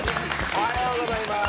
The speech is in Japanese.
おはようございます。